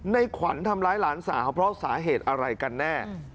ในขวัญทำร้ายหลานสาวเพราะสาเหตุอะไรกันแน่